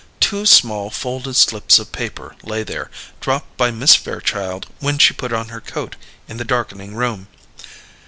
Two small, folded slips of paper lay there, dropped by Miss Fairchild when she put on her coat in the darkening room.